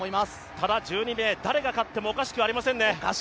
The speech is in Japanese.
ただ１２名、誰が勝ってもおかしくありませんね。